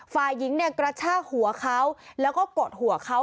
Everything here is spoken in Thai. ฝ่ายหญิงเนี่ยกระชากหัวเขาแล้วก็กดหัวเขา